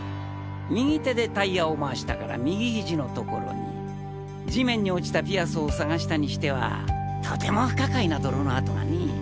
右手でタイヤを回したから右ヒジの所に地面に落ちたピアスを探したにしてはとても不可解な泥の跡がね。